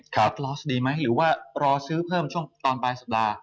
รถลอสดีไหมหรือว่ารอซื้อเพิ่มช่วงตอนปลายสัปดาห์